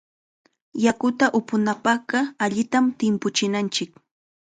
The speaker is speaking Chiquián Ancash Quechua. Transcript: Yakuta upunapaqqa allitam timpuchinanchik.